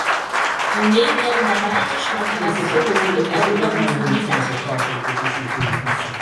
Armee während der Baltischen Operation an der Rückeroberung von Riga teil.